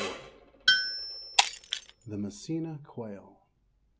] THE MASSENA QUAIL.